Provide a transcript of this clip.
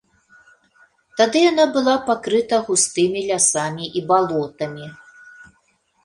Тады яна была пакрыта густымі лясамі і балотамі.